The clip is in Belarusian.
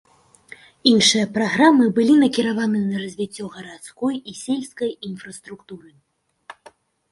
Іншыя праграмы былі накіраваны на развіццё гарадской і сельскай інфраструктуры.